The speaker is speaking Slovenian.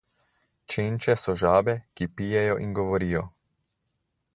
Čenče so žabe, ki pijejo in govorijo.